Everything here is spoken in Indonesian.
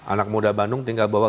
anak muda bandung tinggal bawa